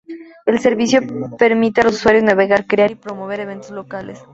El servicio permite a los usuarios navegar, crear y promover eventos locales.